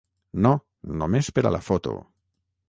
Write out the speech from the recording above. No, només per la foto.